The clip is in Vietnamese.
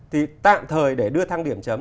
thì tạm thời để đưa thăng điểm chấm